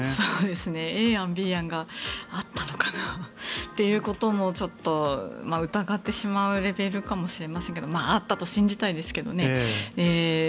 Ａ案、Ｂ案があったのかな？ということも疑ってしまうレベルかもしれませんがあったと信じたいですけどね。